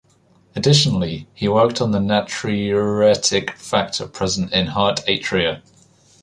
Additionally, he worked on the natriuretic factor present in heart atria.